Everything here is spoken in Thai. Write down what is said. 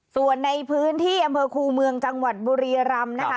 ส่วนในพื้นที่อำเภอคูเมืองจังหวัดบุรียรำนะคะ